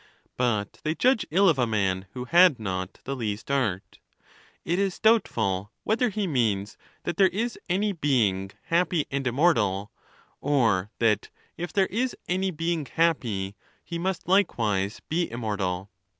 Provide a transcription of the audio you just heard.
But they judge ill of a man who had not the least art. It is doubtful whether he means that there is any being happy and immortal, or that if there is any being happy, he must likewise be immortal.